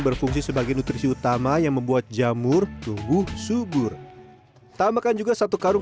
berfungsi sebagai nutrisi utama yang membuat jamur tumbuh subur tambahkan juga satu karung